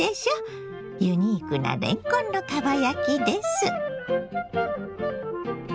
ユニークなれんこんのかば焼きです。